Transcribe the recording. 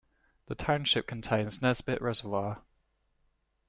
The township contains Nesbitt Reservoir.